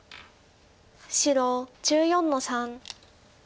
白１４の三。